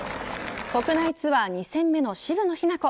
国内ツアー２戦目の渋野日向子。